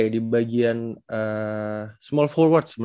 di bagian small forward